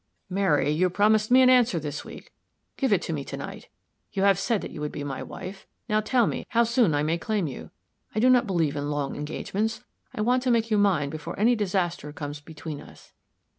"Mary, you promised me an answer this week. Give it to me to night. You have said that you would be my wife now, tell me how soon I may claim you. I do not believe in long engagements; I want to make you mine before any disaster comes between us."